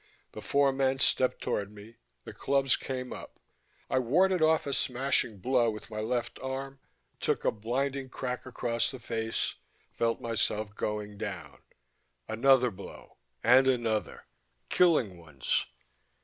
The four men stepped toward me, the clubs came up. I warded off a smashing blow with my left arm, took a blinding crack across the face, felt myself going down another blow, and another: killing ones....